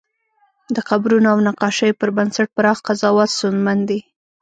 د قبرونو او نقاشیو پر بنسټ پراخ قضاوت ستونزمن دی.